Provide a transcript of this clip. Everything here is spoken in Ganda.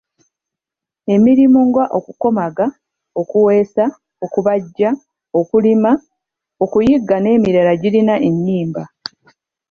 Emirimu ng’okukomaga, okuweesa, okubajja, okulima, okuyigga n’emirala girina ennyimba.